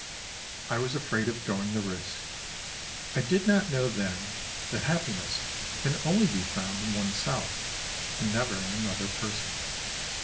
I was afraid of going the risk. I did not know then that happiness can only be found in oneself and never in another person.